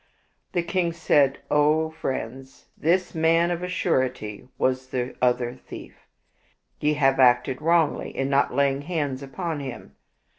The king said, " O friends, this man of a surety was the other thief. Ye have acted wrongly in not laying hands upon him.